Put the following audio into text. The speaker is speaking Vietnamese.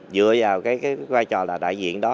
dựa vào cái vai trò là đại diện đó